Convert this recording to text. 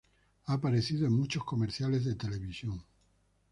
Ha aparecido en muchos comerciales de televisión.